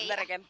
bentar ya ken